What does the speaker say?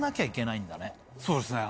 そうですね。